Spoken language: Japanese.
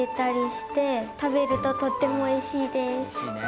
おいしいね。